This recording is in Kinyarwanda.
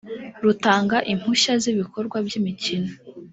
rutanga impushya z ibikorwa by imikino